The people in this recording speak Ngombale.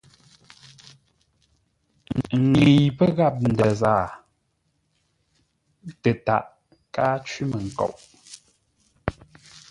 Ŋəi pə́ gháp ndə̂ zaa tətaʼ káa cwí-mənkoŋ.